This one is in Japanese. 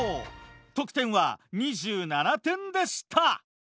得点は２７点でした。